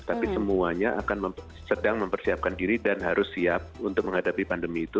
tapi semuanya akan sedang mempersiapkan diri dan harus siap untuk menghadapi pandemi itu